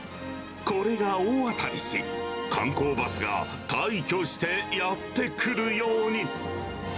これが大当たりし、観光バスが大挙してやって来るように。